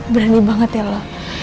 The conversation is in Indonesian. berani banget ya lo